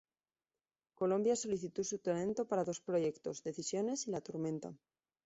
Colombia solicitó su talento para dos proyectos: "Decisiones" y "La Tormenta".